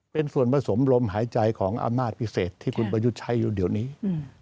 เป็นส่วนผสมลมหายใจของอำนาจพิเศษที่คุณประยุทธ์ใช้อยู่เดี๋ยวนี้